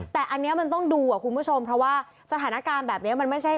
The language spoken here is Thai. แต่อันนี้มันต้องดูคุณผู้ชมเพราะว่าสถานการณ์แบบนี้